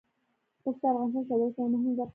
پسه د افغانستان د صادراتو یوه مهمه برخه ده.